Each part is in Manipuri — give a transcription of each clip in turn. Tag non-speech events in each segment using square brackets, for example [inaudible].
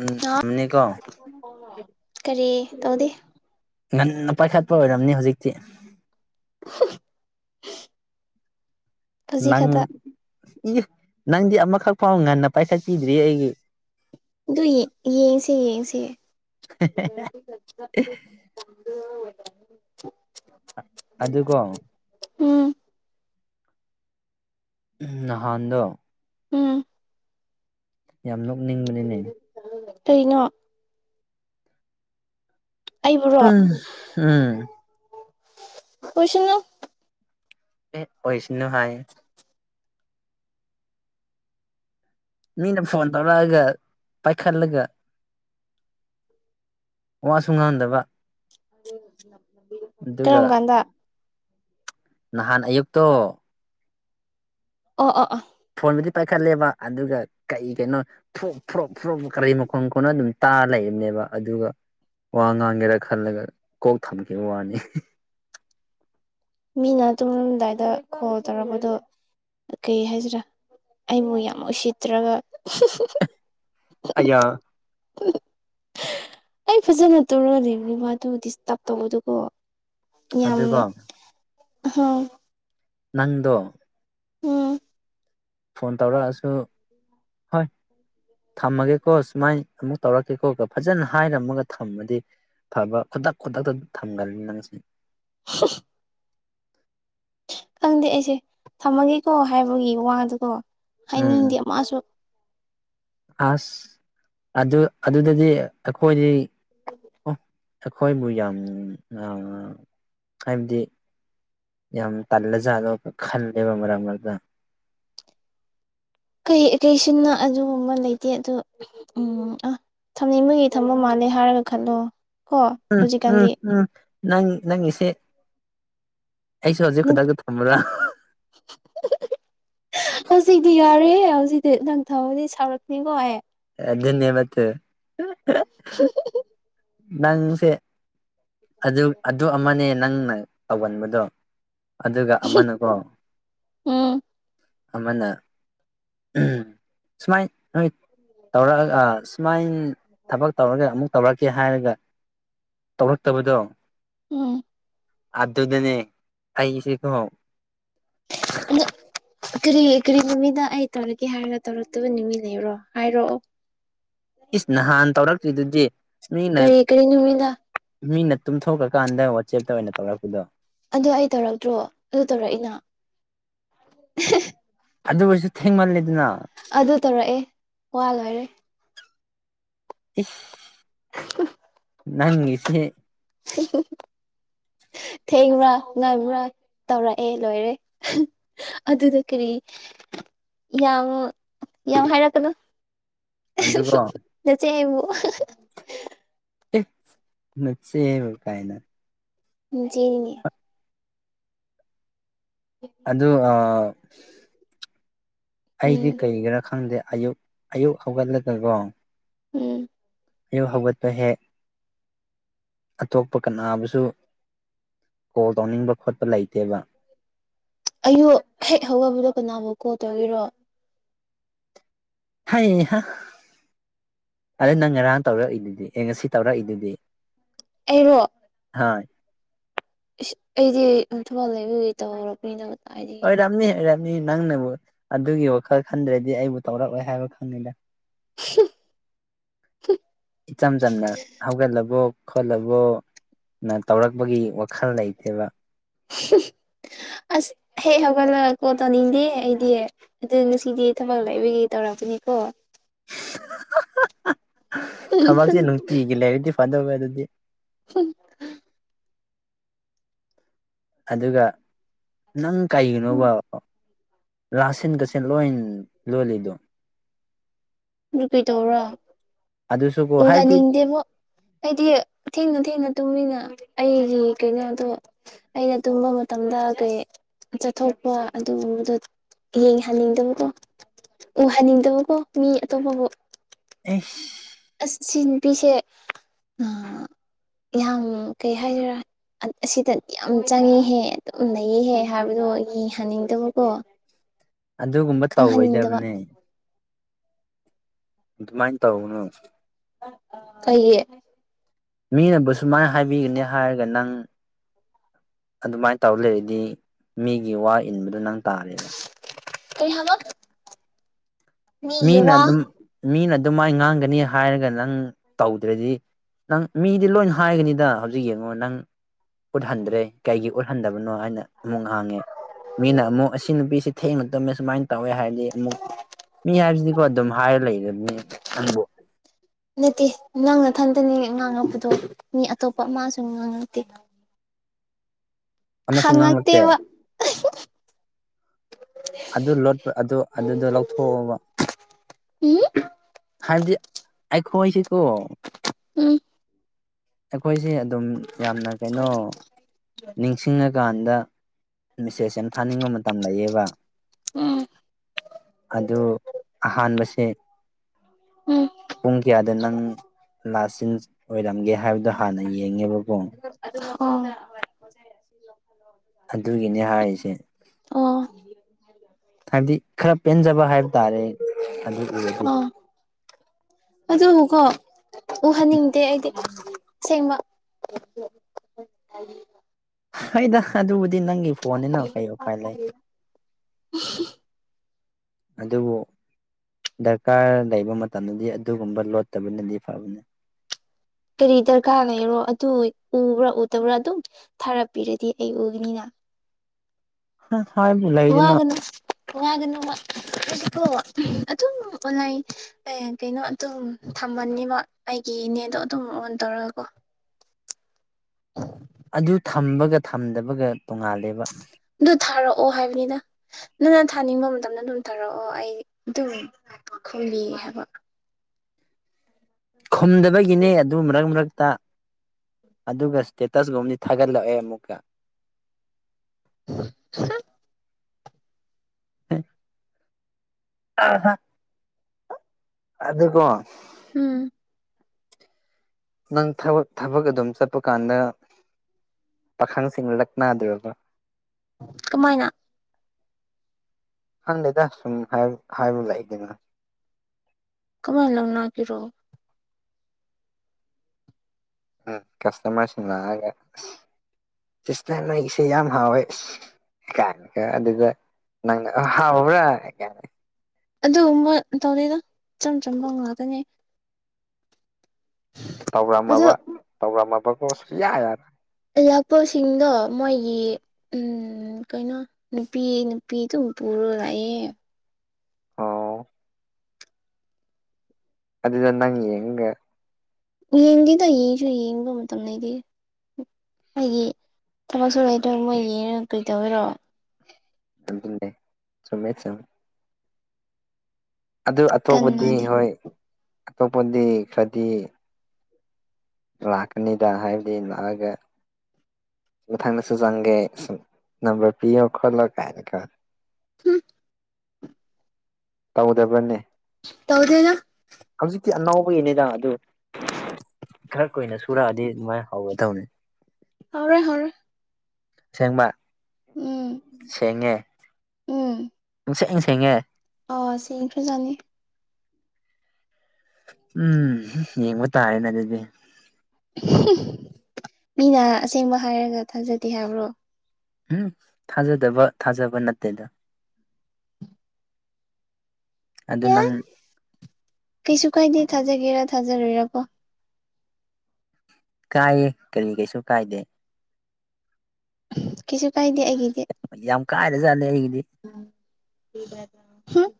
ꯎꯝ ꯍꯥ ꯑꯅꯤꯀꯣ ꯀꯔꯤ ꯇꯧꯗꯦ ꯉꯟꯅ ꯄꯥꯏꯈꯠꯄ ꯑꯣꯏꯔꯝꯅꯤ ꯍꯧꯖꯤꯛꯇꯤ [unintelligible] ꯍꯧꯖꯤꯛ ꯅꯪ ꯈꯛꯇ ꯏ ꯅꯪꯗꯤ ꯑꯃꯈꯛ ꯐꯥꯎ ꯉꯟꯅ ꯄꯥꯏꯈꯠꯄꯤꯗ꯭ꯔꯤ ꯑꯩꯒꯤ ꯑꯗꯨꯏ ꯌꯦꯡꯁꯦ ꯌꯦꯡꯁꯦ [inaudible] ꯑꯗꯨ ꯀꯣ ꯎꯝ ꯎꯝ ꯅꯍꯥꯟꯗꯣ ꯎꯝ ꯌꯥꯝ ꯅꯣꯛꯅꯤꯡꯕꯅꯤꯅꯦ ꯀꯩꯅꯣ ꯑꯩꯕꯨꯔꯣ ꯎꯝ ꯎꯝ ꯑꯣꯏꯁꯅꯨ ꯑꯦ ꯑꯣꯏꯁꯅꯨ ꯍꯥꯏꯌꯦ ꯃꯤꯅ ꯐꯣꯟ ꯇꯧꯔꯛꯑꯒ ꯄꯥꯏꯈꯠꯂꯒ ꯋꯥꯁꯨ ꯉꯥꯡꯗꯕ ꯑꯗꯨꯒ ꯀꯔꯝꯒꯥꯟꯗ ꯅꯍꯥꯟ ꯑꯌꯨꯛꯇꯣ ꯑꯣ ꯑꯣ ꯐꯣꯟꯕꯨꯗꯤ ꯄꯥꯏꯈꯠꯂꯦꯕ ꯑꯗꯨꯒ ꯀꯩ ꯀꯩꯅꯣ ꯐ꯭ꯔꯣ ꯐ꯭ꯔꯣꯛ ꯐ꯭ꯔꯣꯛ ꯀꯔꯤ ꯃꯈꯣꯟ ꯈꯣꯟꯅꯣ ꯑꯗꯨꯝ ꯇꯥꯔ ꯂꯩꯕꯅꯦꯕ ꯑꯗꯨꯒ ꯋꯥ ꯉꯥꯡꯒꯦꯔꯥ ꯈꯜꯂꯒ ꯀꯣꯛ ꯊꯝꯈꯤꯕ ꯋꯥꯅꯤ ꯃꯤꯅ ꯇꯨꯝꯂꯝꯗꯥꯏꯗ ꯀꯣꯜ ꯇꯧꯔꯛꯄꯗꯣ ꯀꯩ ꯍꯥꯏꯁꯤꯔꯥ ꯑꯩꯕꯨ ꯌꯥꯝ ꯎꯁꯤꯠꯇ꯭ꯔꯒ ꯑꯩꯌꯥ ꯑꯩ ꯐꯖꯅ ꯇꯧꯔꯅꯦꯕ ꯃꯗꯨ ꯗꯤꯁꯇꯥꯞ ꯇꯧꯕꯗꯨꯀꯣ ꯌꯥꯝ ꯑꯗꯨꯒ ꯅꯪꯗꯣ ꯎꯝ ꯐꯣꯟ ꯇꯧꯔꯛꯑꯁꯨ ꯍꯣꯏ ꯊꯝꯃꯒꯦꯀꯣ ꯁꯨꯃꯥꯏꯅ ꯑꯃꯨꯛ ꯇꯧꯔꯛꯀꯦꯀꯣ ꯐꯖꯅ ꯍꯥꯏꯔꯝꯃꯒ ꯊꯝꯃꯗꯤ ꯊꯕꯛ ꯈꯨꯗꯛ ꯈꯨꯗꯛꯇ ꯊꯝꯒꯟꯂꯤ ꯅꯪꯁꯦ [unintelligible] ꯈꯪꯗꯦ ꯑꯩꯁꯦ ꯊꯝꯃꯒꯦꯀꯣ ꯍꯥꯏꯕꯒꯤ ꯋꯥꯗꯨꯀꯣ ꯎꯝ ꯍꯥꯏꯅꯤꯡꯗꯦ ꯃꯥꯁꯨ ꯑꯁ ꯑꯗꯨ ꯑꯗꯨꯗꯗꯤ ꯑꯩꯈꯣꯏꯗꯤ ꯑꯣ ꯑꯩꯈꯣꯏꯕꯨ ꯌꯥꯝ ꯌꯥꯝꯅ ꯍꯥꯏꯕꯗꯤ ꯌꯥꯝ ꯇꯜꯂꯖꯥꯠꯂꯣ ꯈꯜꯂꯦꯕ ꯃꯔꯛ ꯃꯔꯛꯇ ꯀꯩ ꯑꯦꯇꯦꯁꯟꯅꯣ ꯑꯗꯨꯒꯨꯝꯕ ꯂꯩꯇꯦ ꯑꯗꯨ ꯎꯝ ꯑꯥ ꯊꯝꯅꯤꯡꯕꯒꯤ ꯊꯝꯕ ꯃꯥꯜꯂꯦ ꯍꯥꯏꯔꯒ ꯈꯜꯂꯣ ꯀꯣ ꯎꯝ ꯎꯝ ꯍꯧꯖꯤꯛꯀꯥꯟꯗꯤ ꯎꯝ ꯅꯪ ꯅꯪꯒꯤꯁꯦ ꯑꯩꯁꯨ ꯍꯧꯖꯤꯛ ꯈꯨꯗꯛꯇ ꯊꯝꯃꯨꯔ [unintelligible] ꯍꯧꯖꯤꯛꯇꯗꯤ ꯌꯥꯔꯦ ꯍꯧꯖꯤꯛꯇꯤ ꯅꯪ ꯊꯝꯃꯗꯤ ꯁꯥꯎꯔꯛꯅꯤꯀꯣ ꯑꯩ ꯑꯗꯨꯅꯦꯕ ꯇꯨ ꯅꯪꯁꯦ ꯑꯗꯨ ꯑꯗꯨ ꯑꯃꯅꯦ ꯅꯪꯅ ꯇꯧꯒꯟꯕꯗꯣ ꯑꯗꯨꯒ ꯑꯃꯅꯀꯣ ꯎꯝ ꯑꯃꯅ ꯎꯝ ꯁꯨꯃꯥꯏ ꯅꯣꯏ ꯇꯧꯔꯛꯑꯒ ꯁꯨꯃꯥꯏ ꯊꯕꯛ ꯇꯧꯔꯒ ꯑꯃꯨꯛ ꯇꯧꯔꯛꯀꯦ ꯍꯥꯏꯔꯒ ꯇꯕꯗꯣ ꯎꯝ ꯑꯗꯨꯗꯅꯦ ꯑꯩꯁꯦ ꯀꯣ ꯀꯔꯤ ꯀꯔꯤ ꯅꯨꯃꯤꯠꯗ ꯑꯩ ꯇꯧꯔꯛꯀꯦ ꯍꯥꯏꯔꯒ ꯇꯧꯔꯛꯇꯕ ꯅꯨꯃꯤꯠ ꯂꯩꯕꯔꯣ ꯍꯥꯏꯔꯛꯑꯣ ꯏꯁ ꯅꯍꯥꯟ ꯇꯧꯔꯛꯇ꯭ꯔꯤꯗꯨꯗꯤ ꯃꯤꯅ ꯀꯔꯤ ꯀꯔꯤ ꯅꯨꯃꯤꯠꯅꯣ ꯃꯤꯅ ꯇꯨꯝꯊꯣꯛꯈ꯭ꯔꯀꯥꯟꯗ ꯋꯥꯆꯦꯞꯇ ꯑꯣꯏꯅ ꯇꯧꯔꯛꯄꯗꯣ ꯑꯗꯨ ꯑꯩ ꯇꯧꯔꯛꯇ꯭ꯔꯣ ꯑꯗꯨ ꯇꯧꯔꯛꯏꯅ [unintelligible] ꯑꯗꯨ ꯑꯣꯏꯁꯨ ꯊꯦꯡꯃꯜꯂꯦꯗꯅ ꯑꯗꯨ ꯇꯧꯔꯛꯑꯦ ꯋꯥ ꯂꯣꯏꯔꯦ ꯏꯁ [unintelligible] ꯅꯪ ꯒꯤꯁꯦ [unintelligible] ꯊꯦꯡꯕ꯭ꯔꯥ ꯉꯟꯕ꯭ꯔꯥ ꯇꯧꯔꯛꯑꯦ ꯂꯣꯏꯔꯦ ꯑꯗꯨꯗ ꯀꯔꯤ ꯌꯥꯡꯉꯣ ꯌꯥꯝ ꯍꯥꯏꯔꯛꯀꯅꯣ ꯑꯗꯨꯒꯣ ꯅꯆꯦꯕꯨ [unintelligible] ꯑꯦ ꯅꯆꯦꯕꯨ ꯀꯥꯏꯅ ꯅꯆꯦ ꯅꯤꯅꯦ ꯑꯗꯨ ꯑꯥ ꯎꯝ ꯑꯥꯩꯗꯤ ꯀꯩꯒꯤꯔꯥ ꯈꯪꯗꯦ ꯑꯌꯨꯛ ꯑꯌꯨꯛ ꯍꯧꯒꯠꯂꯒꯀꯣ ꯎꯝ ꯑꯌꯨꯛ ꯍꯧꯒꯠꯄ ꯍꯦꯛ ꯑꯇꯣꯞꯄ ꯀꯅꯥꯕꯨꯁꯨ ꯀꯣꯜ ꯇꯧꯅꯤꯡꯕ ꯈꯣꯠꯄ ꯂꯩꯇꯦꯕ ꯑꯌꯨꯛ ꯍꯦꯛ ꯍꯧꯒꯠꯄꯗꯣ ꯀꯅꯥꯕꯨ ꯀꯣꯜ ꯇꯧꯔꯤꯔꯣ ꯍꯩꯍꯥ ꯑꯗꯩ ꯅꯪ ꯉꯔꯥꯡ ꯇꯧꯔꯛꯏꯗꯨꯗꯤ ꯑꯦ ꯉꯁꯤ ꯇꯧꯔꯛꯏꯗꯨꯗꯤ ꯑꯩꯔꯣ ꯍꯣꯏ ꯏꯁ ꯑꯩꯗꯤ ꯎꯝ ꯊꯕꯛ ꯂꯩꯕꯒꯤ ꯇꯧꯔꯛꯄꯅꯤꯅ ꯀꯗꯥꯏꯗꯒꯤ ꯑꯣꯏꯔꯝꯅꯤ ꯑꯣꯏꯔꯝꯅꯤ ꯅꯪꯅꯕꯨ ꯑꯗꯨꯒꯤ ꯋꯥꯈꯜ ꯈꯟꯗ꯭ꯔꯗꯤ ꯑꯩꯕꯨ ꯇꯧꯔꯛꯑꯣꯏ ꯍꯥꯏꯕ ꯈꯪꯉꯤꯗ ꯏꯆꯝ ꯆꯝꯅ ꯍꯧꯒꯠꯂꯕꯣ ꯈꯣꯠꯂꯕꯣ ꯅ ꯇꯧꯔꯛꯄꯒꯤ ꯋꯥꯈꯜ ꯂꯩꯇꯦꯕ [unintelligible] ꯑꯁ ꯍꯦꯛ ꯍꯧꯒꯠꯂꯒ ꯀꯣꯜ ꯇꯧꯅꯤꯡꯗꯦ ꯑꯩꯗꯤ ꯑꯗꯨ ꯉꯁꯤꯗꯤ ꯊꯕꯛ ꯂꯩꯕꯒꯤ ꯇꯧꯔꯛꯄꯅꯤꯀꯣ ꯊꯕꯛꯁꯦ ꯅꯨꯡꯇꯤꯒꯤ ꯂꯩꯔꯗꯤ ꯐꯗꯧꯕ ꯑꯗꯨꯗꯤ ꯍꯨꯝ ꯑꯗꯨꯒ ꯅꯪ ꯀꯩꯒꯤꯅꯣꯕ ꯂꯥꯁ ꯁꯤꯟꯒꯁꯦ ꯂꯣꯏꯟ ꯂꯣꯜꯂꯤꯗꯣ ꯗꯨ ꯀꯩꯗꯧꯔꯥ ꯑꯗꯨꯁꯨꯀꯣ ꯍꯥꯏꯗꯤ ꯎꯍꯟꯅꯤꯡꯗꯦꯕꯣ ꯑꯩꯗꯤ ꯊꯦꯡꯅ ꯊꯦꯡꯅ ꯇꯨꯝꯃꯤꯅ ꯑꯩꯒꯤ ꯀꯩꯅꯣꯗꯣ ꯑꯩꯅ ꯇꯨꯝꯕ ꯃꯇꯝꯗ ꯀꯩ ꯆꯠꯊꯣꯛꯄ ꯑꯗꯨꯒꯨꯝꯕꯗꯣ ꯌꯦꯡꯍꯟꯅꯤꯡꯗꯕꯗꯣ ꯎꯍꯟꯅꯤꯡꯗꯕꯀꯣ ꯃꯤ ꯑꯇꯣꯞꯄꯕꯨ ꯑꯩꯁ ꯑꯁ ꯁꯤ ꯅꯨꯄꯤꯁꯦ ꯑꯥ ꯌꯥꯝ ꯀꯩ ꯍꯥꯏꯗꯣꯏꯔꯥ ꯑꯁꯤꯗꯗꯤ ꯌꯥꯝ ꯆꯪꯉꯤꯍꯦ ꯑꯗꯨꯝ ꯂꯩꯌꯦꯍꯦ ꯍꯥꯏꯕꯗꯣ ꯌꯦꯍꯟꯅꯤꯡꯗꯕꯀꯣ ꯑꯗꯨꯒꯨꯝꯕ ꯇꯧꯔꯣꯏꯗꯕꯅꯦ ꯑꯗꯨꯃꯥꯏꯅ ꯇꯧꯒꯅꯨ ꯀꯩꯒꯤ ꯃꯤꯅꯕꯨ ꯁꯨꯃꯥꯏꯅ ꯍꯥꯏꯕꯤꯒꯅꯤ ꯍꯥꯏꯔꯒ ꯅꯪ ꯑꯗꯨꯃꯥꯏ ꯇꯧ ꯂꯩꯔꯗꯤ ꯃꯤꯒꯤ ꯋꯥ ꯏꯟꯕꯗ ꯅꯪ ꯇꯥꯔꯦꯕ ꯀꯩꯍꯥꯏꯕ ꯃꯤꯅ ꯑꯗꯨꯝ ꯃꯤꯅ ꯑꯗꯨꯝꯃꯥꯏ ꯉꯥꯡꯒꯅꯤ ꯍꯥꯏꯔꯒ ꯅꯪ ꯇꯧꯗ꯭ꯔꯗꯤ ꯅꯪ ꯃꯤꯗꯤ ꯂꯣꯏꯟ ꯍꯥꯏꯒꯅꯤꯗꯥ ꯍꯧꯖꯤꯛ ꯌꯦꯡꯉꯣ ꯅꯪ ꯈꯨꯠ ꯍꯟꯗ꯭ꯔꯦ ꯀꯩꯒꯤ ꯎꯠ ꯍꯟꯗꯕꯅꯣ ꯍꯥꯏꯅ ꯑꯃꯨꯛ ꯉꯥꯡꯉꯦ ꯃꯤꯅ ꯑꯃꯨꯛ ꯑꯁꯤ ꯅꯨꯄꯤꯁꯤ ꯊꯦꯡꯅ ꯇꯨꯝꯃꯦ ꯁꯨꯃꯥꯏꯟ ꯇꯧꯋꯦ ꯍꯥꯏꯔꯗꯤ ꯑꯃꯨꯛ ꯃꯤ ꯍꯥꯏꯕꯖꯤꯗꯤꯀꯣ ꯑꯗꯨꯝ ꯍꯥꯏꯔ ꯂꯩꯔꯝꯅꯤ ꯅꯪꯕꯨ ꯅꯠꯇꯦ ꯅꯪ ꯅꯊꯟꯇꯅꯤ ꯉꯥꯡꯉꯛꯄꯗꯣ ꯃꯤ ꯑꯇꯣꯞꯄ ꯑꯃꯥꯁꯨ ꯉꯥꯡꯉꯛꯇꯦ ꯑꯃꯁꯨ ꯉꯥꯡꯂꯛꯇꯦ ꯍꯪꯉꯛꯇꯦꯕ ꯑꯗꯨ ꯂꯣꯠꯄ ꯑꯗꯣ ꯑꯗꯨꯗꯣ ꯂꯧꯊꯣꯛꯑꯣꯕ [unintelligible] ꯍꯥꯏꯕꯗꯤ ꯑꯩꯈꯣꯏꯁꯦꯀꯣ ꯎꯝ ꯑꯩꯈꯣꯏꯁꯦ ꯑꯗꯨꯝ ꯌꯥꯝꯅ ꯀꯩꯅꯣ ꯅꯤꯡꯁꯤꯡꯉꯀꯥꯟꯗ ꯃꯤꯁꯦꯁ ꯌꯥꯝ ꯊꯥꯅꯤꯡꯕ ꯃꯇꯝ ꯂꯩꯌꯦꯕ ꯎꯝ ꯑꯗꯨ ꯑꯍꯥꯟꯕꯁꯦ ꯎꯝ ꯄꯨꯡ ꯀ꯭ꯌꯥꯗ ꯅꯪ ꯂꯥꯁ ꯁꯤꯟꯁ ꯑꯣꯏꯔꯝꯒꯦ [unintelligible] ꯗ ꯍꯥꯟꯅ ꯌꯦꯡꯉꯦꯕꯀꯣ ꯑꯗꯨꯒ ꯈꯪꯅ ꯑꯣ ꯑꯗꯨꯒꯤꯅꯦ ꯍꯥꯏꯔꯤꯁꯦ ꯑꯣ ꯍꯥꯏꯕꯗꯤ ꯈꯔ ꯄꯦꯟꯖꯕ ꯍꯥꯏꯕ ꯇꯥꯔꯦ ꯑꯗꯨ ꯎꯔꯗꯤ ꯑꯣ ꯑꯗꯨꯕꯨꯀꯣ ꯎꯍꯟꯅꯤꯡꯇꯦ ꯑꯩꯗꯤ ꯑꯁꯦꯡꯕ ꯍꯣꯏꯗ ꯑꯗꯨꯕꯨꯗꯤ ꯅꯪꯒꯤ ꯐꯣꯟꯅꯤꯅ ꯀꯩ ꯎꯄꯥꯏ ꯂꯩ ꯑꯗꯨꯕꯨ ꯗꯔꯀꯥꯔ ꯂꯩꯕ ꯃꯇꯝꯗꯗꯤ ꯑꯗꯨꯒꯨꯝꯕ ꯂꯣꯠꯇꯕꯅꯗꯤ ꯐꯕꯅꯤ ꯀꯔꯤ ꯗꯔꯀꯥꯔ ꯂꯩꯔꯣ ꯑꯗꯨ ꯎꯕ꯭ꯔ ꯎꯗꯕ꯭ꯔ ꯑꯗꯨꯝ ꯊꯥꯔꯛꯄꯤꯔꯗꯤ ꯑꯩ ꯎꯒꯤꯅꯤꯅꯥ [unintelligible] ꯍꯥꯏꯕꯨ ꯂꯦ ꯋꯥꯒꯅꯨ ꯋꯥꯒꯅꯨꯃꯛ ꯑꯗꯨꯗꯣ ꯑꯗꯨꯝ ꯎꯟꯅꯩ ꯑꯦ ꯀꯩꯅꯣ ꯑꯗꯨꯝ ꯊꯝꯃꯅꯤꯕ ꯑꯩꯒꯤ ꯅꯦꯗꯣ ꯑꯗꯨꯝ ꯑꯣꯟ ꯇꯧꯔꯒꯀꯣ ꯑꯗꯨ ꯊꯝꯕꯒ ꯊꯝꯗꯕꯒ ꯇꯣꯡꯉꯥꯜꯂꯦꯕ ꯗꯨ ꯊꯥꯔꯛꯑꯣ ꯍꯥꯏꯕꯅꯤꯗ ꯅꯪꯅ ꯊꯥꯅꯤꯡꯕ ꯃꯇꯝꯗ ꯗꯨꯝ ꯊꯥꯔꯛꯑꯣ ꯑꯩ ꯗꯨꯝ ꯈꯨꯝꯕꯤ ꯍꯩꯕ ꯈꯨꯝꯗꯕꯒꯤꯅꯦ ꯑꯗꯨ ꯃꯔꯛ ꯃꯔꯛꯇ ꯑꯗꯨꯒ ꯁ꯭ꯇꯦꯇꯁꯒꯨꯝꯕꯗꯤ ꯊꯥꯒꯠꯂꯛꯑꯦ ꯑꯃꯨꯛꯀ [unintelligible] ꯑꯦ ꯑꯍ ꯑꯗꯨꯀꯣ ꯎꯝ ꯅꯪ ꯊꯕꯛ ꯊꯕꯛ ꯑꯗꯨꯝ ꯆꯠꯄ ꯀꯥꯟꯗ ꯄꯥꯈꯪꯁꯤꯡꯅ ꯂꯛꯅꯗ꯭ꯔꯕ ꯀꯃꯥꯏꯅ ꯈꯪꯗꯦꯗ ꯁꯨꯝ ꯍꯥꯏ ꯍꯥꯏꯕ ꯂꯩꯗꯅ ꯀꯃꯥꯏꯟ ꯂꯪ ꯅꯥꯛꯀꯤꯔꯣ ꯎꯝ ꯀꯁꯇꯃꯔꯁꯤꯡ ꯂꯥꯛꯑꯒ ꯁꯤꯁꯇꯔ ꯅꯣꯏꯒꯤꯁꯦ ꯌꯥꯝ ꯍꯥꯎꯋꯦ ꯏꯁ ꯀꯥꯛꯀ ꯑꯗꯨꯒ ꯅꯪꯅ ꯑꯣ ꯍꯥꯎꯕ꯭ꯔ ꯀꯥꯏꯅ ꯑꯗꯨꯒꯨꯝꯕ ꯇꯧꯗꯦꯗ ꯏꯆꯝ ꯆꯝꯕ ꯉꯥꯛꯇꯅꯦ ꯑꯗꯨ ꯇꯧꯔꯝꯃꯕ ꯇꯧꯔꯝꯃꯕꯀꯣ ꯁꯨꯨꯛꯌꯥ ꯌꯥ ꯂꯥꯛꯄꯁꯤꯡꯗꯣ ꯃꯣꯏꯒꯤ ꯎꯝ ꯀꯩꯅꯣ ꯅꯨꯄꯤ ꯅꯨꯄꯤꯗꯨꯝ ꯄꯨꯔꯒ ꯂꯥꯛꯑꯦ ꯑꯣ ꯑꯗꯨꯗ ꯅꯪ ꯌꯦꯡꯉꯒ ꯌꯦꯡꯗꯤꯗ ꯌꯦꯡꯁꯨ ꯌꯦꯡꯕ ꯃꯇꯝ ꯂꯩꯗꯦ ꯑꯩꯒꯤ ꯊꯕꯛꯁꯨ ꯂꯩꯇ꯭ꯔ ꯃꯣꯏꯒꯤ ꯌꯦꯡꯂ ꯀꯔꯤ ꯇꯧꯒꯦꯔꯣ ꯑꯗꯨꯅꯦ ꯆꯨꯝꯃꯦ ꯆꯨꯝꯃꯦ ꯑꯗꯨ ꯑꯇꯣꯞꯄꯗꯤ ꯀꯟꯅꯗꯤ ꯍꯣꯏ ꯑꯇꯣꯞꯄꯗꯤ ꯈꯔꯗꯤ ꯂꯥꯛꯀꯅꯤꯗ ꯍꯥꯏꯕꯗꯤ ꯂꯥꯛꯑꯒ ꯃꯊꯪꯗꯁꯨ ꯆꯪꯒꯦ ꯁꯨꯝ ꯅꯝꯕꯔ ꯄꯤꯌꯣ ꯈꯣꯠꯂꯣ ꯀꯥꯏꯅ ꯀꯣ ꯍꯨꯝ ꯇꯧꯗꯕꯅꯦ ꯇꯧꯗꯦꯅ ꯍꯧꯖꯤꯛꯇꯤ ꯑꯅꯧꯕꯒꯤꯅꯤꯗ ꯑꯗꯨ ꯈꯔ ꯀꯨꯏꯅ ꯁꯨꯔꯛꯑꯗꯤ ꯑꯗꯨꯃꯥꯏꯅ ꯍꯧꯒꯗꯧꯅꯦ ꯍꯧꯔꯦ ꯍꯧꯔꯦ ꯁꯦꯡꯕ ꯎꯝ ꯁꯦꯡꯉꯦ ꯎꯝ ꯏꯁꯦꯡ ꯁꯦꯡꯉꯦ ꯑ ꯁꯦꯡꯈ꯭ꯔꯖꯥꯅꯤ ꯎꯝꯍꯨꯝ ꯌꯦꯡꯕ ꯇꯥꯔꯦꯅ ꯑꯗꯨꯗꯤ ꯍꯨꯝ ꯃꯤꯅ ꯑꯁꯦꯡꯕ ꯍꯥꯏꯔꯒ ꯊꯥꯖꯗꯦ ꯍꯥꯏꯕ꯭ꯔꯣ ꯎꯝ ꯊꯥꯖꯗꯕ ꯊꯥꯖꯕ ꯅꯠꯇꯦꯗ ꯑꯗꯨ ꯌꯥꯏ ꯅꯪ ꯀꯩꯁꯨ ꯀꯥꯏꯗꯦ ꯊꯥꯖꯒꯦꯔ ꯊꯥꯖꯔꯣꯏꯔꯀꯣ ꯀꯥꯏꯌꯦ ꯀꯔꯤ ꯀꯩꯁꯨ ꯀꯥꯏꯗꯦ ꯀꯩꯁꯨ ꯀꯥꯏꯗꯦ ꯑꯩꯒꯤꯗꯤ ꯌꯥꯝ ꯀꯥꯏꯔꯖꯥꯠꯅꯦ ꯑꯩꯒꯤꯗꯤ ꯎꯝ ꯏ ꯄꯥꯏꯕ꯭ꯔ ꯍꯨꯝ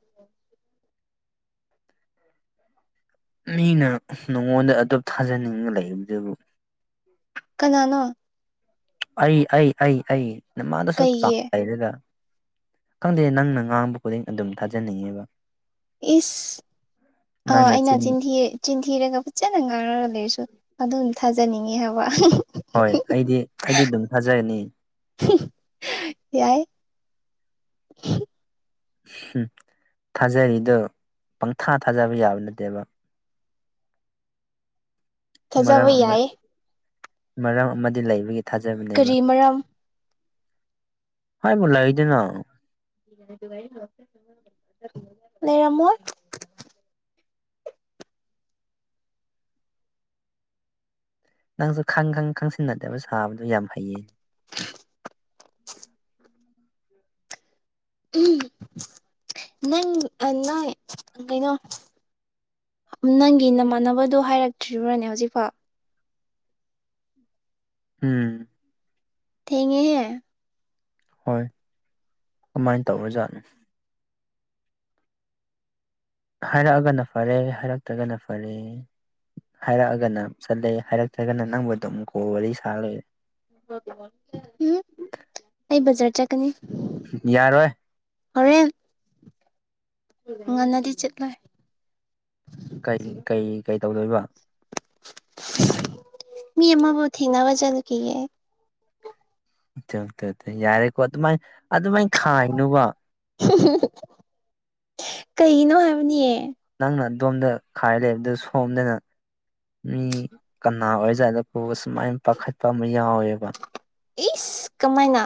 ꯃꯤꯅ ꯅꯉꯣꯟꯗ ꯑꯗꯨꯞ ꯊꯥꯖꯅꯤꯡꯉ ꯂꯩꯕꯗꯨꯕꯨ ꯀꯅꯥꯅꯣ ꯑꯩ ꯑꯩ ꯑꯩ ꯑꯩ ꯅꯃꯥꯡꯗꯁꯨ ꯆꯥꯛ ꯀꯩꯒꯤ ꯂꯩꯔꯒ ꯈꯪꯗꯦ ꯅꯪꯅ ꯉꯥꯡꯕ ꯈꯨꯗꯤꯡ ꯑꯗꯨꯝ ꯊꯥꯖꯅꯤꯡꯉꯦꯕ ꯏꯁ ꯑ ꯅꯪꯅ ꯑꯩꯅ ꯆꯤꯟ ꯆꯤꯟꯊꯤꯌꯦ ꯆꯤꯟꯊꯤꯔꯒ ꯐꯖꯅ ꯉꯥꯡꯔꯒ ꯂꯩꯔꯁꯨ ꯑꯗꯨꯝ ꯊꯥꯖꯅꯤꯡꯉꯤ ꯍꯥꯏꯕ ꯍꯣꯏ ꯑꯩꯗꯤ ꯑꯩꯗꯤ ꯑꯗꯨꯝ ꯊꯥꯖꯔꯅꯤ ꯌꯥꯏ ꯍꯨꯝ ꯊꯥꯖꯔꯤꯗꯣ ꯄꯪꯊꯥ ꯊꯥꯖꯕ ꯌꯥꯕ ꯅꯠꯇꯦꯕ ꯃꯔꯝ ꯊꯥꯖꯕ ꯑꯃ ꯌꯥꯏ ꯃꯔꯝ ꯑꯃꯗꯤ ꯂꯩꯕꯒꯤ ꯊꯥꯖꯕꯅꯦꯕ ꯀꯔꯤ ꯃꯔꯝ ꯍꯥꯏꯕꯨ ꯂꯩꯗꯅ [unintelligible] ꯂꯩꯔꯝꯃꯣꯏ ꯅꯪꯁꯨ ꯈꯪ ꯈꯪ ꯈꯪꯁꯤꯟꯅꯗꯕ ꯁꯥꯕꯗꯨ ꯌꯥꯝ ꯍꯩꯌꯦ [inaudible] ꯎꯝ ꯅꯪ ꯑ ꯅꯣꯏ ꯀꯩꯅꯣ ꯅꯪꯒꯤ ꯅꯃꯥꯟꯅꯕꯗꯣ ꯍꯥꯏꯔꯛꯇ꯭ꯔꯤꯕꯥꯅꯦ ꯍꯧꯖꯤꯛꯐꯥꯎ ꯎꯝ ꯊꯦꯡꯉꯦꯍꯦ꯫ ꯍꯣꯏ ꯀꯃꯥꯏꯟ ꯇꯧꯔꯖꯥꯠꯅꯣ꯫ ꯍꯥꯏꯔꯛꯑꯒꯅ ꯐꯔꯦ ꯍꯥꯏꯔꯛꯇ꯭ꯔꯒꯅ ꯐꯔꯦ꯫ ꯍꯥꯏꯔꯛꯑꯒꯅ ꯆꯠꯂꯦ ꯍꯥꯏꯔꯛꯇ꯭ꯔꯒꯅ ꯅꯪꯕꯨ ꯗꯨꯝ ꯀꯣꯜ ꯋꯥꯔꯤ ꯁꯥ ꯂꯩꯔꯦ꯫ [unintelligible] ꯎꯝ ꯑꯩ ꯕꯖꯔ ꯆꯠꯀꯅꯤ꯫ ꯌꯥꯔꯣꯏ꯫ ꯍꯣꯔꯦꯟ ꯉꯟꯅꯗꯤ ꯆꯠꯂꯣꯏ꯫ ꯀꯩ ꯀꯩ ꯀꯩ ꯇꯧꯗꯣꯏꯕ꯫ ꯃꯤ ꯑꯃꯕꯨ ꯊꯦꯡꯅꯕ ꯆꯠꯂꯨꯈꯤꯒꯦ꯫ ꯇꯧ ꯇꯧ ꯇ ꯌꯥꯔꯦꯀꯣ ꯑꯗꯨꯃꯥꯏ ꯑꯗꯨꯃꯥꯏꯟ ꯈꯥꯏꯅꯨꯕ꯫ ꯀꯩꯒꯤꯅꯣ ꯍꯥꯏꯕꯅꯤ꯫ ꯅꯪꯅ ꯑꯗꯣꯝꯗ ꯈꯥꯏꯔ ꯂꯩꯕꯗꯨ ꯁꯣꯝꯗꯅ꯫ ꯃꯤ ꯀꯅꯥ ꯑꯣꯏꯖꯔꯥꯠꯂꯀꯣ ꯁꯨꯃꯥꯏ ꯄꯥꯈꯠꯄ ꯑꯃ ꯌꯥꯎꯋꯦꯕ꯫ ꯏꯁ ꯀꯃꯥꯏꯅ꯫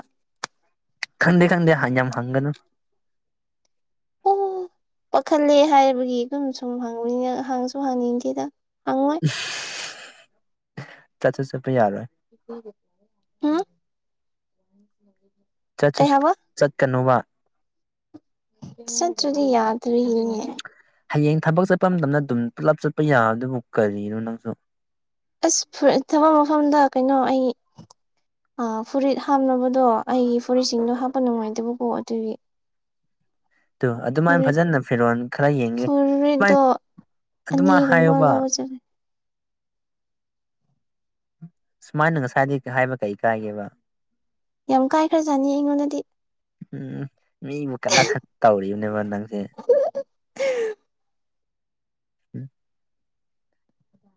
ꯈꯪꯗꯦ ꯈꯪꯗꯦ ꯍꯡ ꯌꯥꯝ ꯍꯪꯒꯅꯨ꯫ ꯑꯣ ꯄꯥꯈꯠꯂꯦ ꯍꯥꯏꯕꯒꯤ ꯗꯨꯝ ꯁꯨꯝ ꯍꯪꯕꯅꯤꯅ ꯍꯪꯁꯨ ꯍꯪꯅꯤꯡꯗꯦꯗ ꯍꯪꯉꯣꯏ꯫ ꯆꯠꯁꯨ ꯆꯠꯄ ꯌꯥꯔꯣꯏ꯫ ꯍꯥ ꯆꯠꯁꯨ ꯆ ꯆꯠꯀꯅꯨꯕ꯫ ꯆꯠꯇꯔ꯭ꯗꯤ ꯌꯥꯗ꯭ꯔꯤꯅꯦ ꯍꯌꯦꯡ ꯊꯕꯛ ꯆꯠꯄ ꯃꯇꯝꯗ ꯑꯗꯨꯝ ꯄꯨꯂꯞ ꯆꯠꯄ ꯌꯥꯕꯗꯨꯕꯨ ꯀꯔꯤꯅꯣ ꯅꯪꯁꯨ꯫ ꯑꯁ ꯐꯨꯔꯤꯠ ꯊꯕꯛ ꯃꯐꯝꯗ ꯀꯩꯅꯣ ꯑꯩ꯫ ꯑ ꯐꯨꯔꯤꯠ ꯍꯥꯞꯅꯕꯗꯣ ꯑꯩꯒꯤ ꯐꯨꯔꯤꯠꯁꯤꯡꯗꯣ ꯍꯥꯞꯄ ꯅꯨꯡꯉꯥꯏꯇꯕꯒꯣ ꯑꯗꯨꯒꯤ꯫ [inaudible] ꯇꯨ ꯑꯗꯨꯃꯥꯏꯟ ꯐꯨꯔꯤꯠ ꯐꯖꯅ ꯐꯤꯔꯣꯟ ꯈꯔ ꯌꯦꯡꯒꯦ ꯃꯥꯏꯟ ꯐꯨꯔꯤꯠꯇꯣ ꯑꯗꯨꯃꯥꯏ ꯑꯅꯤꯒꯨꯝꯕ ꯍꯥꯏꯌꯨꯕ ꯂꯧꯕ ꯆꯠꯂꯦ ꯁꯨꯃꯥꯏꯅ ꯉꯁꯥꯏꯗꯩꯩ ꯍꯥꯏꯕ ꯀꯩ ꯀꯥꯏꯒꯦꯕ ꯌꯥꯝ ꯀꯥꯏꯈ꯭ꯔꯖꯥꯅꯤ ꯑꯩꯉꯣꯟꯗꯗꯤ꯫ ꯎꯝ ꯃꯤꯕꯨ ꯀꯂꯛꯍꯟ ꯇꯧꯔꯤꯕꯅꯦꯕ ꯅꯪꯁꯦ꯫ [inaudible] ꯎꯝ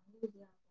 [inaudible]